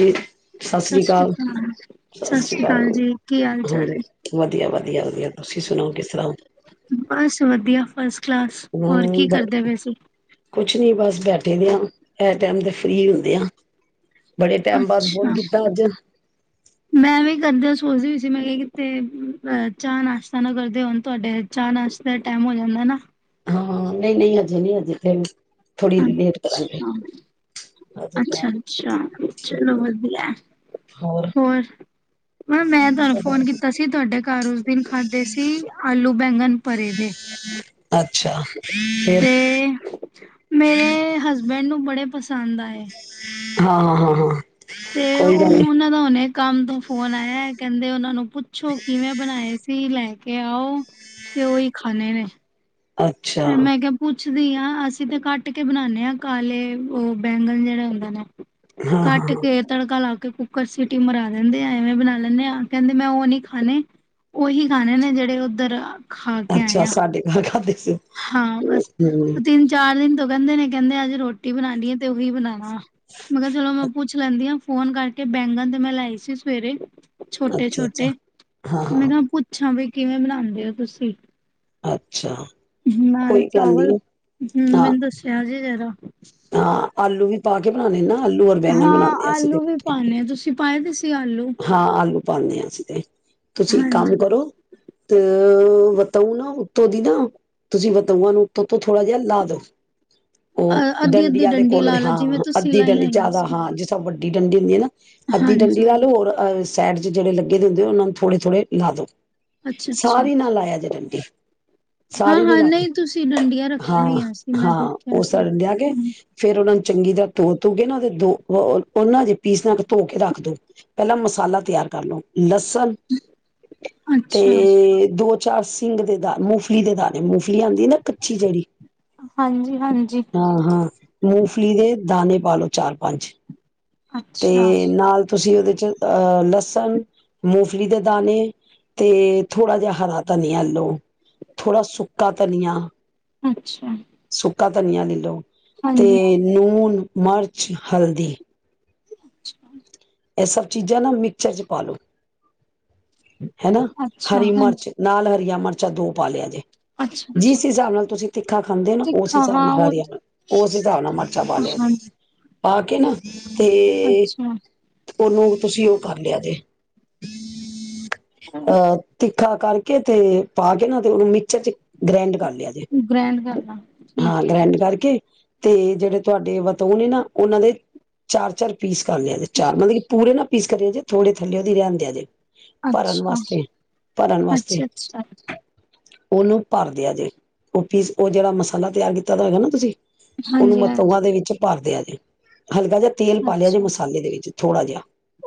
ਜ ਸਤਿ ਸ੍ਰੀ ਅਕਾਲ ਸਤਿ ਸ੍ਰੀ ਅਕਾਲ ਜੀ, ਕੀ ਹਾਲ ਚਾਲ ਹੈ? ਹਾਂਜੀ ਵਧੀਆ ਵਧੀਆ ਵਧੀਆ ਤੁਸੀਂ ਸੁਣਾਓ ਕਿਸ ਤਰ੍ਹਾਂ ਹੋ? ਬਸ ਵਧੀਆ ਫਸ ਕਲਾਸ ਹੋਰ ਕੀ ਕਰਦੇ ਹੂੰ, ਪਏਸੀਂ ਕੁਛ ਨੀ ਬਸ ਬੈਠੇ ਦੇ ਹਾਂ ਇਸ ਟਾਈਮ ਦੇ ਫਰੀ ਹੁੰਦੇ ਹਾਂ ਅੱਛਾ ਮੈਂ ਵੀ ਕਰਦੇ ਸਦੇ ਸੀ ਮੈਂ ਕਿਹਾ ਕਿਤੇ ਅ ਚਾਹ ਨਾਸ਼ਤਾ ਨਾ ਕਰਦੇ ਹੋਣ ਤੁਹਾਡੇ ਚਾਹ ਨਾਸ਼ਤੇ ਦਾ ਟਾਈਮ ਹੋ ਜਾਂਦਾ ਨਾ ਹਾਂ ਨਹੀਂ ਨਹੀਂ ਹਜੇ ਨਹੀਂ ਹਜੇ ਫ ਅੱਛਾ ਹਜੇ ਅੱਛਾ ਟਾਈਮ ਅੱਛਾ ਚਲੋ ਵਧੀਆ ਹੋਰ ਮ ਮੈਂ ਤੁਹਾਨੂੰ ਫੋਨ ਕੀਤਾ ਸੀ ਤੁਹਾਡੇ ਕਾਰਜ਼ ਦਿਨ ਖਾਦੇ ਸੀ ਆਲੂ ਬੈਂਗਣ ਭਰੇ ਦੇ ਅੱਛਾ ਫੇਰ ਤੇ ਮੇਰੇ ਹਸਬੈਂਡ ਨੂੰ ਬੜੇ ਪਸੰਦ ਆਏ ਹਾਂ ਹਾਂ ਹਾਂ ਹਾਂ ਤੇ ਕੋਈ ਗੱਲ ਨੀ ਉਹ ਉਹਨਾਂ ਦਾ ਹਣੇ ਕੰਮ ਤੋਂ ਫੋਨ ਆਇਆ ਕਹਿੰਦੇ ਉਹ ਪੁੱਛੋ ਕਿਵੇੈਂ ਬਣਾਏ ਸੀ ਲੈ ਕੇ ਕੇ ਆਓ ਤੇ ਉਹੀ ਖਾਣੇ ਨੇ ਅੱਛਾ ਪੁਛਦੀ ਹ ਅਸੀਂ ਤਾਂ ਕੱਟ ਕੇ ਬਣਾਦੇ ਹਾਂ ਕਾਲੇ ਉਹ ਬੈਂਗਨ ਜਿਹੜਾ ਹੁੰਦਾ ਨੇ ਹਾਂ ਹਾਂ ਕੱਟ ਹਾਂ ਕੇ ਤੜਕਾ ਲਾ ਕੇ ਕੁੱਕਰ ਸਿਟੀ ਮਰਾ ਦਿੰਦੇ ਆ ਐਵੇਂ ਬਣਾ ਲੈਂਦੇ ਆ ਕਹਿੰਦੇ ਮੈਂ ਉਹ ਨੀ ਖਾਣੇ ਉਹੀ ਖਾਣੇ ਨੇ ਜਿਹੜੇ ਉਓਧਰ ਅੱਛਾ ਸਾਡੇ ਘਰ ਖਾਦੇ ਹਾਂ ਬਸ ਉਹ ਤਿੰਨ ਚਾਰ ਦਿਨ ਤੋਂ ਕਹਿੰਦੇ ਨੇ ਕਹਿੰਦੇ ਅੱਜ ਰੋਟੀ ਬਣਾਉਣੀਏ ਤੇ ਉਹੀ ਬਣਾਉਣਾ ਮੈਂ ਕਿਹਾ ਚਲੋ ਮੈਂ ਪੁੱਛ ਲੈਂਦੀ ਹਾਂ ਫੋਨ ਕਰਕੇ ਬੈਂਗਨ ਤੇ ਮੈਂ ਲੈ ਆਈ ਸੀ ਸਵੇਰੇ- ਅੱਛਾ ਅੱਛਾ ਛੋਟੇ-ਛੋਟੇ ਹਾਂ ਮੈਂ ਹਾਂ ਕਿਹਾ ਪੁੱਛਾਂ ਵੀ- ਕਿਵੇਂ ਬਣਾਉਂਦੇ ਹੋ ਤੁਸੀਂ- ਹਾਂ- ਨਾਲ ਚਾਵਲ ਹਮ ਹਾਂ ਮੈਨੂੰ ਦੱਸਿਆ ਜੇ- ਰ [unintelligible] ਹਾਂ ਆਲੂ ਵੀ ਪਾ ਕੇ ਬਣਾਣੇ ਨਾ- ਆਲੂ ਔਰ ਬੈਗਣ ਹਾਂ ਬਣਾਉਂਦੇ ਅਸੀ ਤੇ- ਆਲੂ ਵੀ ਪਾਣੇ ਆ ਤੁਸੀਂ ਪਾਏ ਦੇ ਸੀ- ਆਲੂ ਹਾਂ ਆਲੂ- ਪਾਣੇ ਆਂ ਅਸੀ ਤੇ- ਤੁਸੀਂ ਹਾਂਜੀ ਕੰਮ ਕਰੋ- ਤੇ ਵਤਊ ਨਾ ਉੱਤੋਂ ਦੀ ਨਾ ਤੁਸੀਂ ਵਤਊਆਂ ਨੂੰ ਉੱਤੋ ਤੋਂ ਥੋੜ੍ਹਾ ਜਿਹਾ ਲਾ ਦਉ- ਉਹ ਅ ਅੱਧੀ-ਅੱਧੀ ਡੰਡੀਆਂ ਦੇ ਡੰਡੀ ਕੋਲ ਲਾ ਲਓ ਹਾਂ ਜਿਵੇਂ ਤੁਸੀਂ ਅੱਧੀ ਲਾਈਆਂ ਡੰਡੀ ਹੋਈਆਂ ਜ਼ਿਆਦਾ ਸੀ ਹਾਂ ਜਿਸ - ਡੰਡੀ ਹੁੰਦੀ ਹੇ ਨਾ- ਅੱਧੀ ਹਾਂਜੀ ਟੰਡੀ ਲਾ ਲ ਹੋਰ ਅਹਸ- ਸਾਈਡ ਚ ਜਿੜੇ ਲੱਗੇ ਹੁੰਦੇ ਉਹਨਾਂ ਨੂੰਥੋੜੇ ਥੋੜੇ ਲਾ ਦੋ- ਅੱਛਾ -ਅੱਛਾ ਸਾਰੀ ਨਾ ਲਾਇਆ ਜੇ ਡੰਡੀ ਹਾਂ- ਸਾਰੀ ਨੀ ਹਾਂ ਲਾਉਣੀ ਨਹੀਂ ਤੁਸੀਂ ਡੰਡੀਆਂ ਰੱਖੀਆਂ ਹਾਂ ਹੋਈਆਂ ਸੀ ਮੈਂ ਹਾਂ ਦੇਖਿਆ- ਉਹ ਸ ਸੀ ਲਿਆ ਗ ਹੂੰ ਫੇਿਰ ਉਹਨਾਂ- ਚੰਗੀ ਤਰ੍ਹਾਂ ਧੋ ਧੋਗੇ ਨਾ ਤੇ ਦੋ ਉਹਨਾਂ ਜ ਪੀਸ ਨਾਲ ਧੋ ਕੇ ਰੱਖ ਦੋ ਪਹਿਲਾਂ ਮਸਾਲਾ ਤਿਆਰ ਕਰ ਲੋ- ਸਨ ਅੱਛਾ ਤੇ ਦੋ- ਚਾਰ ਸਿੰਘ ਦੇ ਦਾਨੇ ਮੂੰਗਫਲੀ ਦੇ ਦਾਨੇ ਨੇ ਮੂੰਗਲੀ ਆਉਂਦੀ ਨਾ ਕੱਚੀ ਜਿਹੜੀ- ਹਾਂਜੀ- ਹਾਂ ਹਾਂ ਮੂੰਗਫਲੀ ਦੇ ਦਾਣੇ- ਪਾ ਲੋ ਚਾਰ- ਪੰਜ ਅੱਛਾ-ਅੱਛਾ ਤੇ ਨਾਲ- ਤੁਸੀਂ ਉਹਦੇ ਚ ਅਹ ਲਸਣ, ਮੂੰਗਫਲੀ ਦੇ ਦਾਣੇ ਤੇ ਥੋੜ੍ਹਾ ਜਿਹਾ ਹਰਾ ਧਨੀਆ ਲਓ ਥੋੜ੍ਹਾ ਸੁੱਕਾ ਧਨੀਆ- ਅੱਛਾ- ਸੁਕਾ ਧਨੀਆਂ ਵੀ ਲਓ- ਤੇ ਨੂਣ- ਮਿਰਚ, ਹਲਦੀ- ੱਛ- ਇਹ ਸਭ ਚੀਜ਼ਾਂ ਨਾ ਮਿਕਚਰ 'ਚ ਪਾ ਲਓ- ਹਨਾ ਅੱਛਾ ਹਰੀ ਹਾਂਜੀ ਮਿਰਚ ਨਾਲ ਹਰੀ- ਆਂ ਮਿਰਚਾਂ ਦੋ ਪਾ ਲਿਆ ਜੇ ਅੱਛਾ-ਅੱਛਾ ਜਿਸ ਹਿਸਾਬ ਨਾਲ ਤੁਸੀਂ ਤਿੱਖਾ ਖਾਂਦੇ ਹੋ ਨਾ ਉਸ ਤਿੱਖਾ ਹਿਸਾਬ ਹਾਂ ਨਾਲ ਉਹ ਹਰੀਆਂ ਤੇ ਉਸ ਹਿਸਾਬ ਨਾਲ ਮਿਰਚਾਂ ਪਾ ਲਿਆ ਸੀ ਹਾਂਜੀ ਪਾ ਕੇ ਨਾ ਤੇ ਅੱਛਾ ਉਹਨੂੰ ਤੁਸੀਂ ਉਹ ਕਰ ਲਿਆ ਜੇ ਅਹ ਤੇ ਾ ਕਰਕੇ ਤੇ ਪਾ ਕੇ ਨਾ ਤੇ ਉਹਨੂੰ ਮਿਕਚਰ ਚ ਗ੍ਰੈਂਡ ਕਰ ਲ ਗ੍ਰੈਂਡ ਕਰਨਾ ਹਾਂ ਠੀਕ ਹੈ ਗਰੈਂਡ ਕਰਕੇ ਤੇ ਜਿਹੜੇ ਤੁਹਾਡੇ ਵਤੋ ਨੇ ਨਾ ਉਹਨਾਂ ਦੇ ਚਾਰ ਚਾਰ ਪੀਸ ਕਰ ਲਿਆ ਤੇ ਚਾਰ ਮਤਲਬ ਕਿ ਪੂਰੇ ਨਾ ਪੀਸ ਕਰੀਏ ਜੇਥੋੜੇ ਥੱਲੇ ਉਹਦੀ ਰਹਿਣ ਦਿਆ ਜੇ ਭਰਨ ਅੱਛਾ ਵਾਸਤੇ ਭਰਨ ਵਾਸਤੇ ਅੱਛਾ ਅੱਛਾ ਉਹਨੂੰ ਭਰਦਿਆ ਜੇ ਉਹ ਪੀਸ ਉਹ ਜਿਹੜਾ ਮਸਾਲਾ ਤਿਆਰ ਕੀਤਾ ਤਾਂ ਹੈਗਾ ਨਾ ਤੁਸੀਂ ਹਾਂਜੀ ਹਾਂਜੀ ਦੇ ਵਿੱਚ ਭਰਦੇ ਆ ਜੀ ਹਲਕਾ ਜਿਹਾ ਤੇਲ ਪਾ ਲਿਆ ਜੇ ਅੱਛਾ ਮਸਾਲੇ ਦੇ ਵਿੱਚ ਥੋੜਾਜਿਹਾ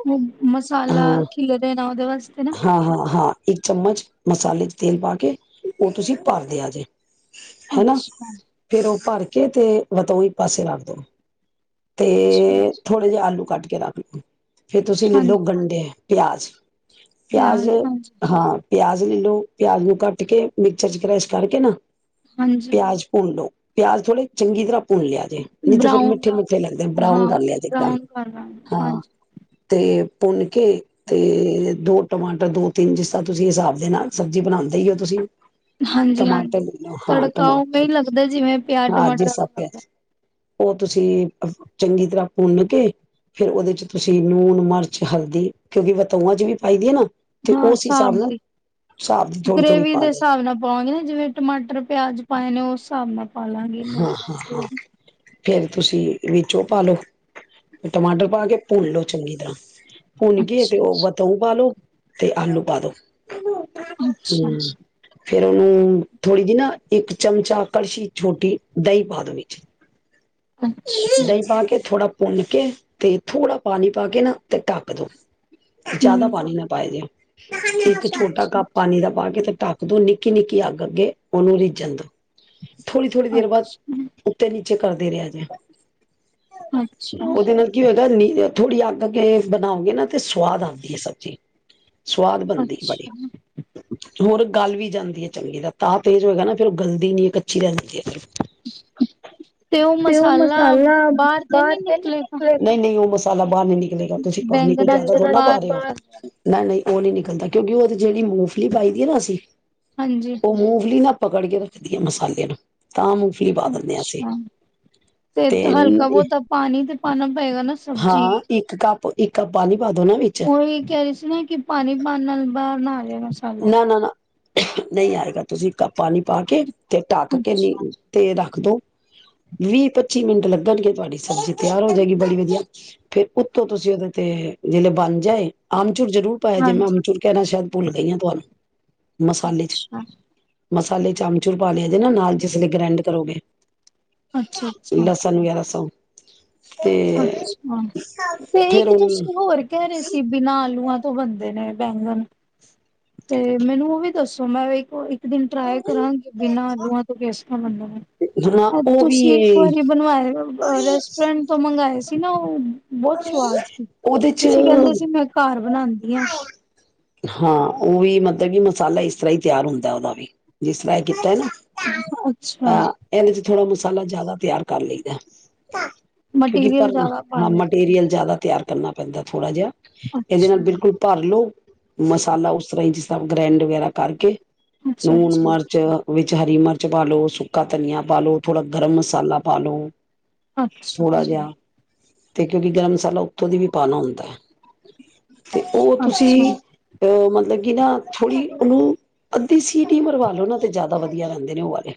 ਉਹ ਮਸਾਲਾ ਖਿਲ ਰਹੇ ਨੇ ਉਹਦੇ ਵਾਸਤੇ ਨਾ ਹਾਂ ਹਾਂ ਹਾਂ ਇੱਕ ਚਮਚ ਮਸਾਲੇ ਚ ਤੇਲ ਪਾ ਕੇ ਉਹ ਤੁਸੀਂ ਭਰਦੇ ਆ ਜੇ ਹਨਾ ਅੱਛਾ ਫੇਰ ਉਹ ਭਰ ਕੇ ਕਿਤੇ ਇੱਕ ਪਾਸੇ ਰੱਖ ਦਿਓ ਤੇ ਅੱਛਾ ਥੋੜੇ ਜਿਹੇ ਆਲੂ ਕੱਟ ਕੇ ਰੱਖ ਲਓ ਫੇਰ ਤੁਸੀਂ ਹਾਂਜੀ ਲੈਲੋ ਗੰਡੇ ਪਿਆਜ਼ ਪਿਆਜ਼ ਪਿਆਜ ਹਾਂਜੀ ਹਾਂ ਪਿਆਜ਼ ਪਿਆਜ ਨੂੰ ਕੱਟ ਕੇ ਮਿਕਚਰ ਚ ਕਰੈਸ਼ ਕਰਕੇ ਨਾ ਹਾਂਜੀ ਪਿਆਜ਼ ਭੁੰਨ ਲਓ ਪਿਆਜ ਥੋੜ੍ਹ ਚੰਗੀ ਤਰ੍ਹਾਂ ਭੁੰਨ ਲਿਆ ਨਹੀਂ ਤੇ ਫਿਰ ਬਰਾਊਨ ਮਿੱਠੇ ਮਿੱਠੇ ਲੱਗਦੇ ਬਰਾਉਨ ਹਾਂ ਕਰ ਲਿਆ ਜ ਇੱਕਦਮ ਬਰਾਊਨ ਕਰ ਦਾਂਗੇ ਹਾਂ ਹਾਂਜੀ ਤੇ ਭੁੰਨ ਕੇ ਤੇ ਦੋ ਟਮਾਟਰ ਦੋ ਤਿੰਨ ਜਿਸ ਤ੍ਹਾਂ ਤੁਸੀਂ ਹਿਸਾਬ ਦੇ ਨਾਲ ਸਬਜ਼ੀ ਬਣਾਉਂਦੇ ਹੀ ਹੋ ਤੁਸੀਂ ਹਾਂਜੀ ਹਾਂਜੀ ਟਮਾਟਰ ਲੈ ਲਓ ਹਾਂ ਤੜਕਾ ਉਵੇਂ ਟਮਾਟਰ ਹੀ ਲੱਗਦਾ ਜਿਵੇਂ ਪਿਆਜ ਹਾਂ ਜਿਸ ਟਮਾਟਰਾ ਦਾ ਹਿਸਾਬ ਲਗਦਾ ਪਿਆਜ਼ ਉਹ ਤੁਸੀਂ ਚੰਗੀ ਤਰ੍ਹਾਂ ਭੁੰਨ ਕੇ ਫੇਿਰ ਉਹਦੇ ਚ ਤੁਸੀਂ ਲੂਣ ਮਿਰਚ ਹਲਦੀ ਕਿਉਂਕਿ ਵਤਯੁਆ ਚ ਵੀ- ਪਾਈ ਦੀ ਹੈ ਨਾ ਤੇ ਹਾਂ ਉਸ ਹਿਸਾਬ ਨਾਲ ਦੀ ਹਿਸਾਬ ਦੀ ਥੋੜ੍ਹੀ ਥੋੜ੍ਹੀ ਗ੍ਰੇਵੀ ਪਾ ਦੇ ਦੇਣਾ ਹਿਸਾਬ ਨਾਲ ਪਾਵਾਂਗੇ ਨਾ ਜਿਵੇਂ ਟਮਾਟਰ ਪਿਆਜ ਪਏ ਨੇ ਉਸ ਹਿਸਾਬ ਨਾਲ ਪਾਲਾਂਗੀ ਹਾਂ ਹਾਂ ਹਾਂ ਫੇਰ ਤੁਸੀਂ ਵਿਚ ਓ ਪਾ ਲਓ ਟਮਾਟਰ ਪਾ ਕੇ ਭੁੰਨ ਲਓ ਚੰਗੀ ਤਰ੍ਹਾਂ ਭੁੰਨ ਕੇ ਤੇ ਅੱਛਾ ਉਸ ਵਿੱਚ ਬਤਾਊ ਪਾ ਦਿਓ ਤੇ ਆਲੂ ਪਾ ਦੋ, ਅੱਛਾ ਹੂੰ, ਫੇਰ ਉਹਨੂੰ ਥੋੜੀ ਜਿਹੀ ਨਾ ਇੱਕ ਚਮਚਾ ਕੜਸ਼ੀ, ਛੋਟੀ ਦਹੀ ਪਾਂ ਦੋ ਵਿੱਚ ਅੱਛਾ ਦਹੀਂ ਪਾ ਕੇ ਥੋੜਾ ਭੁੰਨ ਕੇ ਤੇ ਥੋੜ੍ਹਾ ਪਾਣੀ ਪਾ ਕੇ ਨਾ ਤੇ ਢੱਕ ਦੋ। ਜ਼ਿਆਦਾ ਹੂੰ ਪਾਣੀ ਨਾ ਪਾ ਦਿਓ ਇੱਕ ਅੱਛਾ ਛੋਟਾ ਅੱਛਾ ਕੱਪ ਪਾਣੀ ਦਾ ਪਾ ਕੇ ਤੇ ਢੱਕ ਦੋ ਨਿੱਕੀ-ਨਿੱਕੀ, ਅੱਗ-ਅੱਗੇ ਉਹਨੂੰ ਰਿੱਝਣ ਦੋ ਥੋੜੀ-ਥੋੜੀ ਦੇਰ ਬਾਦ ਅੱਛਾ ਉਤੇ ਨੀ, ਕਰਦੇ ਰਿਹਾ ਜਾ ਅੱਛਾ ਉਹਦੇ ਨਾਲ ਕੀ ਹੋ ਨੀ ਥੋੜ੍ਹੀ ਅੱਗ ਅੱਗੇ ਬਣਾਓਗੇ ਨਾ ਤੇ ਸਵਾਦ ਆਦੀ ਹੈ ਸਬਜ਼ੀ, ਸਵਾਦ ਬਣਦੀ ਬੜੀ ਅੱਛਾ ਹੋਰ ਗੱਲ ਵੀ ਜਾਂਦੀ ਐ ਚੰਗੀ ਤਰਾ ਤਾ ਤੇਜ਼ ਹੋਏਗਾ ਨਾ ਫੇਰ ਉਹ ਗਲਦੀ ਨੀ ਕੱਚੀ ਰਹਿ ਜਾਦੀ ਐ। ਤੇ ਉਹ ਮਸਾਲਾ ਬਾਹਰ ਤੇ ਨਹੀ ਨਿਕਲੇਗਾ, ਨਹੀਂ-ਨਹੀਂ ਔ। ਮਸਾਲਾ, ਬਾਹਰ ਨੀ ਨਿਕਲੇਗਾ ਤੁਸੀਂ ਪਾਣੀ ਕੋਈ ਬੈਂਗਨਾਂ ਜ਼ਿਆਦਾ ਚੋਂ ਥੋੜੇ ਨਾ ਪਾਂ ਬਾਹਰ ਰਹੇ ਨਿਕਲ ਜਾਏ ਹੋ ਨਾ ਨਹੀਂ। ਉਹ ਨੀ ਨਿਕਲਦਾ ਕਿਉਂਕਿ ਉਹਦੀ ਜਿਹੜੀ ਮੂੰਗਫਲੀ ਪਾਈ ਦੀ ਨਾ ਅਸੀਂ, ਹਾਂਜੀ ਉਹ ਮੂਫਲੀ ਨਾ, ਪਕੜ ਕੇ ਰੱਖਦੀ ਹੈ ਮਸਾਲੇ ਨੂੰ। ਤਾਂ ਮੂੰਗਫਲੀ ਪਾ ਦਿੰਨੇ ਹਾਂ ਅਸੀਂ, ਅੱਛਾ ਤੇ ਹਲਕਾ ਬਹੁਤਾ ਪਾਣੀ ਤੇ ਪਾਣਾ ਪਏਗਾ ਨਾ ਸਬਜ਼ੀ ਕਪ ਇਕ ਕਪ ਪਾਣੀ, ਪਾ ਦੋ ਨਾ ਵਿੱਚ ਉਹੀ ਕਹਿ ਰਹੀ ਸੀ ਨਾ ਕਿ ਪਾਣੀ ਪਾਣ ਨਾਲ ਪਾਣ ਨਾਲ, ਚਾਏ ਮਸਾਲਾ ਨਾ ਨਾ [unintelligible] ਨਾ ਨਹੀਂ ਆਏਗਾ, ਤੁਸੀਂ ਕਪ ਪਾਣੀ ਪਾ ਕੇ, ਤੇ ਟੱਕ ਕੇ ਨੀ ਅੱਛਾ ਤੇ ਰੱਖ ਦੋ ਵੀਹ ਪੱਚੀ ਮਿੰਟ ਲੱਗਣਗੇ ਤੁਹਾਡੀ ਸਬਜ਼ੀ ਤਿਆਰ ਹੋ ਜਾਏਗੀ ਬੜੀ ਵਧੀਆ ਫੇਰ ਉੱਤੋਂ ਤੁਸੀਂ ਉਹਦੇ ਤੇ ਜਦ ਬਣ ਜਾਏ। ਆਮਚੂਰ ਜਰੂਰ ਪਾਇਆ ਜਿਵੇਂ ਹਾਂਜੀ ਆਮਚੂਰ ਕਹਿਣਾ ਸ਼ਾਇਦ। ਭੁੱਲ ਗਈਆਂ। ਭੁੱਲ, ਮਸਾਲੇ 'ਚ, ਅੱਛਾ ਮਸਾਲੇ ਆਮਚੁਰ ਪਾ ਲਿਆ। ਨਾ ਨਾਲ ਜਿਸ ਲਈ ਗ੍ਰੈਂਡ ਕਰੋਗੇ ਅੱਛਾ ਅੱਛਾ ਲਸਣ ਵਗੈਰਾ ਸੋ ਅੱਛਾ ਤੇ ਫੇਰ ਇੱਕ ਉਹ ਤੁਸੀਂ ਹੋਰ ਕਹਿ ਰਹੇ ਸੀ ਬਿਨਾਂ ਆਲੂਆਂ ਬੰਦੇ ਨੇ ਬੈਂਗਣ ਤੇ ਮੈਨੂੰ ਉਹ ਵੀ ਦੱਸੋ ਮੈਂ ਇੱਕ ਦਿਨ ਟਰਾਈ ਕਰਾਂਗੇ ਬਿਨਾਂ ਆਲੂਆਂ ਤੋਂ ਕੇਸਟਾਂ ਬਨ ਨਾ ਉਹ ਵੀ ਤੁਸੀਂ ਇੱਕ ਵਾਰੀ ਬਣਵਾਏ ਰੈਸਟੋਰੈਂਟ ਸੀ ਨਾ ਬਹੁਤ ਸਵਾਦ ਸੀ ਉਹਦੇ ਚ ਤੁਸੀਂ ਕਹਿੰਦੇ ਸੀ ਮੈਂ ਘਰ ਬਣਾਉਦੀ ਹਾਂ ਹਾਂ ਉਹ ਵੀ ਮਤਲਬ ਕਿ ਮਸਾਲਾ ਇਸ ਤਰ੍ਹਾਂ ਹੀ ਤਿਆਰ ਹੁੰਦਾ ਉਹਦਾ ਵੀ ਜਿਸ ਤਰ੍ਹਾਂ ਇਹ ਕੀਤਾ ਹੈ ਨਾ ਅੱਛਾ ਅ ਇਹਦੇ ਚ ਥੋੜਾ ਮਸਾਲਾ ਜਿਆਦਾ ਤਿਆਰ ਕਰ ਲਈਦਾ ਮਟੀਰੀਅਲ ਜਿਆਦਾ ਪਾ ਲ ਟੀਰੀਅਲ ਜ਼ਿਆਦਾ ਤਿਆਰ ਕਰਨਾੈਂਦਾ ਥੜਾ ਜਿਹਾ ਇਹਦੇ ਨਾਲ ਅੱਛਾ ਬਿਲਕੁਲ ਭਰ ਲਓ ਮਸਾਲਾ ਉਸ ਤਰ੍ਹਾਂ ਹੀ ਜਿਸ ਤਰ੍ਹਾਂ ਗ੍ਰੈਂਡ ਵਗੈਰਾ ਕਰਕੇ ਅੱਛਾ ਲੂਣ ਅੱਛਾ ਮਿਰਚ ਵਿੱਚ ਹਰੀ ਮਿਰਚ ਪਾ ਲ ਲੋ ਸੁੱਕਾ ਧਨੀਆ ਪਾਾਲਓ ਥੋੜ੍ਹਾ ਗਰਮ ਮਸਾਲਾ ਪਾ ਲ ਲੋ ਅੱਛਾ ਅਤੇ ਕਿਉਂਕਿ ਗਰਮ ਮਸਾਲਾ ਉੱਥੋਂ ਦੀ ਵੀ ਪਾਉਣਾ ਹੁੰਦਾ ਹੈ ਤੇ ਉਹ ਤੁਸੀਂ ਅੱਛਾ ਅਹ ਮਤ ਮਤਲ ਕਿ ਨਾ ਥੋੜ੍ਹੀ ਉਹਨੂੰ ਅੱਧੀ ਸੀਟੀ ਮਰਵਾ ਲੋ ਨਾਂ ਤੇ ਜ਼ਿਆਦਾ ਵਧੀਆ ਰਹਿੰਦੇ ਨੇ ਉਹ ਵਾਲੇ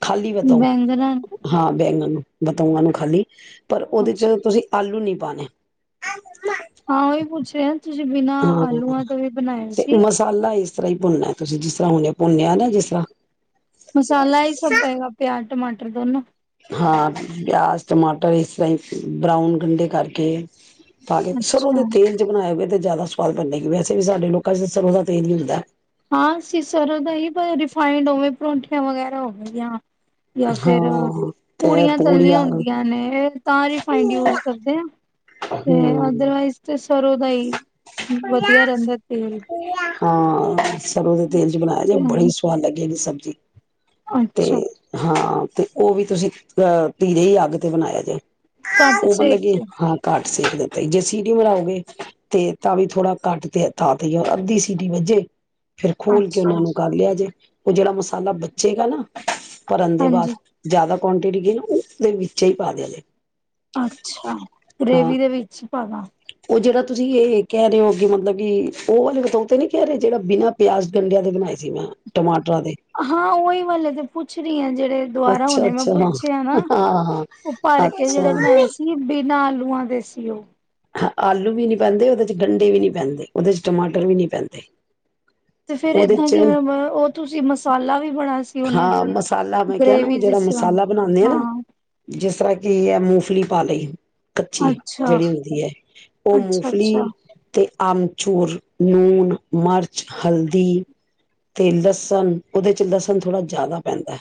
ਖਾਲੀ ਵਧੋਂ ਬੈਂਗਣਾ ਹਾਂ ਬੈਗ ਨੂੰ ਬਤਾਊਂਆਂ ਨੂੰ ਖਾਲੀ ਪਰ ਉਹਦੇ 'ਚ ਅੱਛਾ ਆਲੂ ਨਹੀਂ ਪਾਣੇ ਹਾਂ ਹੀ ਪੁੱਛੇ ਤੁਸੀਂ ਬਿਨਾਂ ਹਾਂ ਆਲੂਆਂ ਤੋਂ ਵੀ ਬਣਾਏ ਸੀ ਜਿਸ ਤਰ੍ਹਾਂ ਹੀ ਭੁੰਨਣਾ ਤੁਸੀਂ ਜਿਸ ਤ੍ਹਾਂ ਹੁੰਣ ਭੁੰਨਿਆ ਨਾ ਜਿਸ ਤ੍ਹਾਂ ਮਸਾਲਾ ਹੀ ਸਭ ਪਏਗਾ ਪਿਆਜ ਟਮਾਟਰ ਦੋਨੋ ਹਾਂ ਪਿਆਜ਼, ਟਮਾਟਰ ਇਸ ਤਰ੍ਹਾਂ ਬਰਾਊਨ ਗੰਢੇ ਕਰਕੇ ਪਾ ਲਿਆ ਕੇ ਸਰੋ ਦੇ ਅੱਛਾ ਤੇਲ ਚ ਬਣਾਇਆ ਹੋਵੇ ਤੇ ਜ਼ਿਆਦਾ ਸਵਾਦ ਬਣਨੇਗੀ, ਵੈਸੇ ਵੀ ਸਾਡੇ ਲੋਕਾਂ ਚ ਸਰੋਂ ਦਾ ਤੇਲ ਮਿਲਦਾ। ਹਾਂ, ਅਸੀ ਸਰੋਂ ਦਾ ਹੀ ਤੇ ਰਿਫਾਂਈਡ ਤੇ ਔਵੇ ਪਰੋਂਠੀਆਂ ਵਗੈਰਾ ਹੋ ਗਿਆ। ਯਾਂ ਫਿਰ, ਹਾਂ ਤੇ ਪੂੜੀਆਂ ਤਲਣੀਆਂ ਹੁੰਦੀਆਂ ਨੇ ਤਾਂ ਰਿਫਾਈੰਡ ਹੂੰ ਯੂਜ ਕਰਦੇ ਆ ਤੇ ਅਦਰਵਾਈਜ਼ ਤੇ ਸਰੋਂ ਦਾ ਹੀ ਵਧੀਆ ਰਹਿੰਦਾ। ਹਮ। ਹਾਂ, ਸਰੋ ਦੇ ਤੇਲ ਚ ਬਣਾਇਆ ਜੇ, ਬੜੀ ਸੁਆਦ ਲੱਗੇਗੀ ਸਬਜ਼ੀ ਜੀ। ਅੱਛਾ। ਤੇ ਉਹ ਵੀ ਤੁਸੀਂ, ਅਹ, ਧੀਰੇ ਹੀ ਅੱਗ ਤੇ ਬਣਾਇਆ ਜੇ। ਘੱਟ ਉਹ ਬੰਦਾ ਸੇਕ ਕੀ, ਤੇ ਹਾਂ ਘਟ ਸੇਕ ਦੇਕੇ, ਜੇ ਸੀਟੀ ਮਰਾਓਗੇ, ਤੇ ਤਾਂ ਵੀ ਥੋੜਾ ਘੱਟ ਤੇ ਤੇ ਅੱਧੀ ਸੀਟੀ ਵੱਜੇ [inaudible] ਫਿਰ ਖੋਲ ਕੇ ਉਹਨਾ ਅੱਛਾ ਨੂੰ ਕਰ ਲਿਆ ਜੇ ਉਹ ਜਿਹੜਾ ਮਸਾਲਾ ਬਚੇਗਾ ਨਾ ਭਰਨ ਦੇ ਬਾਅਦ, ਹਾਂਜੀ ਜ਼ਿਆਦਾ ਕੁਆਂਟਿਟੀ ਗਈ, ਉਸਦੇ ਵਿੱਚ ਹੀ ਪਾ ਦਯਾ ਦੇ। ਅੱਛਾ, ਗਰੇਵੀ ਦੇ ਵਿੱਚ ਪਾਦਾ। ਉਹ ਜਿਹੜਾ ਤੁਸੀਂ ਇਹ ਕਹਿ ਰਹੇ ਹੋ, ਅੱਗੇ ਮਤਲਬ ਕਿ ਉਹ ਵਾਲੇ ਬਤੌਓ ਤੇ ਨੀ ਕਹਿ ਰਹੇ, ਜਿਹੜਾ ਬਿਨਾਂ ਪਿਆਜ- ਗੰਡਿਆਂ ਦੇ ਬਣਾਏ ਸੀ। ਮੈਂ ਟਮਾਟਰ ਹਾਂ ਓਹੀ ਵਾਲੇ ਤੇ ਪੁੱਛ ਰਹੀ ਹ, ਜਿਹੜੇ ਦੁਬਾਰਾ ਅੱਛਾ ਉਹਨੇ ਮੈਂ ਅੱਛਾ ਹਾਂ ਪੁੱਛਿਆ ਨਾ, ਹਾਂ ਹਾਂ ਉਹ ਭਰ ਕੇ ਜਿਹੜੇ ਅੱਛਾ ਬਣਾਏ ਸੀ। ਬਿਨਾਂ ਆਲੂਆਂ ਦੇ ਸੀ ਉਹ। ਹ ਆਲੂ ਵੀ ਨਹੀਂ ਪੈਂਦੇ, ਉਹਦੇ ਚ ਗੰਡੇ ਵੀ ਨਹੀਂ ਪੈਂਦੇ, ਉਹਦੇ ਚ ਟਮਾਟਰ ਵੀ ਨਹੀਂ ਪੈਂਦੇ। ਤੇ ਫਿਰ ਉਹਦੇ ਏਦਾਂ ਚ ਕਿਵੇਂ? ਉਹ ਤੁਸੀ ਮਸਾਲਾ ਵੀ ਬੜਾ ਸੀ ਉਹਨਾਂ ਹਾਂ ਚ ਮਸਾਲਾ ਮੈਂ ਕਿਹਾ ਨਾ ਉਹ ਗਰੇਵੀ ਜਿਹੜਾ ਜਿਸ ਤਰ੍ਹਾਂ, ਮਸਾਲਾ ਹਾਂ। ਕੀ ਏ ਮੂਫਲੀ ਪਾ ਲਈ। ਕੱਚੀ, ਅੱਛਾ ਜਿਹੜੀ ਉਹ ਅੱਛਾ ਅੱਛਾ ਮੂਫਲੀ ਤੇ ਆਮਚੂਰ, ਲੂਣ, ਮਰਚ, ਹਲਦੀ ਤੇ ਲਸਣ, ਉਹਦੇ ਚ ਲਸਣ ਥੋੜ੍ਹਾ ਜ਼ਿਆਦਾ ਪੈਂਦਾ ਐ।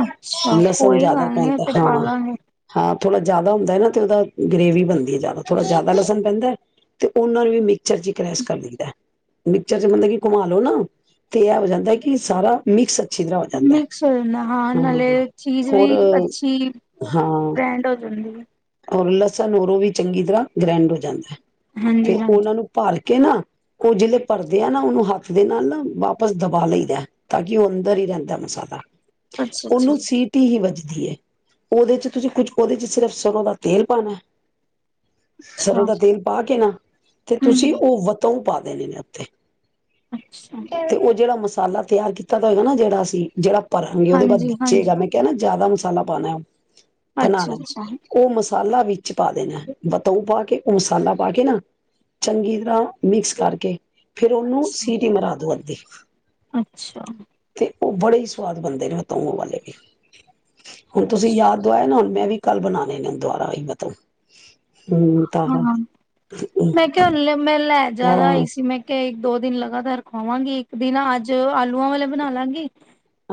ਅੱਛਾ, ਕੋਈ ਗੱਲ ਨਹੀਂ ਉ ਪੈਂਦਾ ਤੇ ਹਾਂ ਪਾਲਾਂਗੇ। ਹਾਂ ਥੋੜ੍ਹਾ ਜ਼ਿਆਦਾ ਹੁੰਦਾ ਹੈ ਨਾ, ਤੇ ਉਹਦਾ ਗ੍ਰੇਵੀ ਬਣਦੀ ਹੈ ਜ਼ਿਆਦਾ। ਥੋੜ੍ਹਾ ਜ਼ਿਆਦਾ ਲਸਣ ਪੈਂਦਾ ਤੇ ਉਹਨਾ ਨੂੰ ਵੀ ਮ ਚਰਜੀ ਕ੍ਰੈਸ ਕਰ ਲੈਂਦਾ। ਮਿਕਚਰ ਚ ਮਤਲਬ ਕਿ ਘੁਮਾ ਲੋ ਨਾ ਤੇ ਇਹ ਹੋ ਜਾਂਦਾ ਕਿ ਸਾਰਾ ਮਿਕਸ- ਅੱਛੀ ਤਰ੍ਹਾਂ ਹੋ ਜਾਂਦਾ ਹੈ ਮਿਕਸ ਹੋ ਜਾਂਦਾ ਹਾਂ ਨਾਲੇ ਚੀਜ਼ ਹੋਰ ਵੀ ਅੱਛੀ ਹਾਂ ਗ੍ਰੈਂਡ ਹੋ ਜਾਂਦੀ- ਔਰ ਲਸਣ ਨੂੰ ਵੀ- ਚੰਗੀ ਤਰ੍ਹਾਂ ਗ੍ਰੈਂਡ ਹੋ ਜਾਂਦਾ- ਫ ਹਾਂਜੀ ਹਾਂਜੀ ਉਹਨਾ ਨੂੰ ਭਰ ਕੇ- ਕੇ ਨਾ ਉਹ ਜਿਹੜੇ ਭਰਦੇ ਆ ਨਾ ਉਹਨੂੰ ਹੱਥ ਦੇ ਨਾਲ ਨਾ ਵਾਪਸ ਦਬਾ ਲਈਦਾ ਤਾਂ ਕਿ ਉਹ ਅੰਦਰ ਹੀ ਰਹਿੰਦਾ ਮਸਾਲਾ- ਅੱਛਾ ਅੱਛਾ ਉਹਨੂੰ ਸੀਟੀ ਹੀ ਵਜੀ- ਦੀਏ। ਉਹਦੇ ਚ ਤੁਸੀਂ ਕੁੱਝ ਉਹਦੇ ਚ ਸਿਰਫ ਸਰ੍ਹੋਂ ਦਾ ਤੇਲ ਪਾਨਾਏ ਸਰ੍ਹੋਂ ਅੱਛਾ ਦਾ ਤੇਲ ਪਾ ਕੇ ਨਾ ਤੇ ਹਮ ਤੁਸੀਂ ਉਹ ਵਤੋਉ ਪਾ ਅੱਛਾ [unintelligible] ਤੇ ਉਹ ਜਿਹੜਾ ਮਸ ਸਾਲਾ ਤਿਆਰ ਕੀਤਾ ਹੋਏਗਾ ਨਾ ਜਿਹੜਾ ਅਸੀਂ ਜਿਹੜਾ ਭਰਾਂਗੇ ਉਹਦੇ ਬਾਦ ਹਾਂਜੀ ਬੱਚੇਗਾ। ਹਾਂਜੀ ਮੈਂ ਕਹਿ ਨਾ ਜਾਦਾ ਮਸਾਲਾ ਪਾਨਾਏ। ਅੱਛਾ ਅੱਛਾ ਬਨਾਨਾਏ ਉਹ ਮਸਾਲਾ ਵਿੱ ਚ ਪਾ ਦੇਨਾਏ। ਬਤਊ ਪਾ ਕੇ, ਉਹ ਮਸਾਲਾ ਪਾ ਕੇ ਨਾ ਚੰਗੀ ਤਰ੍ਹਾਂ ਮਿਕਸ ਕਰਕੇ ਫੇਰ ਉਹਨੂੰ ਅੱਛਾ ਸੀਟੀ ਮਰਾ ਦੋ ਅਦੀ ਅੱਛਾ ਤੇ ਉਹ ਬੜੇ ਈ ਸਵਾਦ ਬਨਦੇ ਨੇ ਵਤਊ ਉਹ ਵਾਲੇ ਵੀ। ਹੁਨ ਤੁਸੀਂ ਯਾਦ ਦੁਇਆ ਨਾ ਹੁਨ ਮੈਂ ਵੀ ਕੱਲ ਬਨਾਨੇ ਨੇ ਦੁਆਂਰਾਂ ਈ ਬਤਊ ਹਾਂ, ਮੈਂ ਕਿਹਾ ਹਲੇ ਮੈਂ ਲੈ ਜਾਦਾ ਆਈ ਸੀ ਮੈਂ ਕੇ ਦੋ ਦਿਨ ਲਗਾਤਾਰ ਖੁਆਂਵਾਂਗੀ। ਇੱਕ ਦਿਨ ਅੱਜ ਆਲੂਆਂ ਵਾਲੇ ਬਨਾ ਲਾਂਗੀ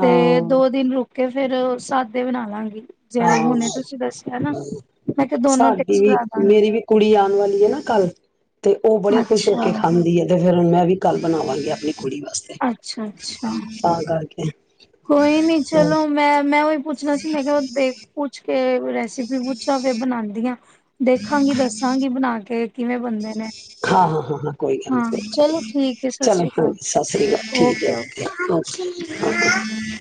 ਹਾਂ ਦੋ ਦਿਨ ਰੁਕ ਕੇ ਫੇਰ ਸਾਦੇ ਬਨਾ ਲਾਂਗੀ। ਜਿਹੜੇ ਹੁਨੇ ਹਾਂ ਤੁਸੀਂ ਦੱਸਿਆ ਨਾ, ਮੈਂ ਕਿਹਾ ਦੋਨੋ ਸਾਡੀ ਟੇਸਟ ਵੀ ਕਰਾਂ ਦਾ- ਮੇਰੀ ਵੀ ਕੁੜੀ ਆਨ ਵਾਲੀ ਏ ਨਾ ਕੱਲ ਤੇ ਉਹ ਬੜੇ ਖੁਸ਼ ਹੋ ਅੱਛਾ, ਕੇ ਖਾਂਦੀ ਏ ਤੇ ਫੇਰ ਮੈਂ ਵ ਵੀ ਕੱਲ ਬਨਾਵਾਂਗੇ ਆਪਨੀ ਕੁੜੀ ਵਾਸਤੇ, ਅੱਛਾ, ਅੱਛਾ। ਤਾ ਕਰਕੇ [inaudible] ਕੋਈ ਨੀ ਹਾਂ ਚਲੋ ਮੈਂ, ਮੈਂ ਉਹੀ ਪੁੱਛ ਛਣਾ ਸੀ ਮੈਂ ਕਿਹਾ ਉਹ ਦੇਖ ਪੁੱਛ ਤੇ ਰੈਸਪੀ ਪੁੱਛਾਂ ਫੇਰ ਬਨਾਦੀਆਂ ਦੇਖਾਂਗੀ ਦੱਸਾਂਗੀ ਬਨਾ ਕ ਤੇ ਕਿਵੇਂ ਬੰਨਦੇ ਨੇ ਹਾਂ, ਹਾਂ, ਹਾਂ, ਹਾਂ। ਕੋਈ ਗੱਲ, ਹਾਂ ਚਲੋ ਠੀਕ ਹੈ ਸਤਿ ਚਲੋ ਸ੍ਰੀ ਹੋ ਅਕਾਲ ਸਤਿ ਸ੍ਰੀ ਅਕਾਲ। ਠੀਕ ਏ। Okay okay. [unintelligible]